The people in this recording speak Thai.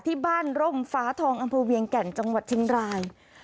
ที่บ้านร่มฟ้าทองอำเภอเวียงแก่นจังหวัดเชียงราย